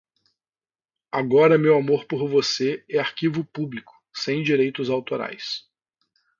Agora meu amor por você é arquivo público, sem direitos autorais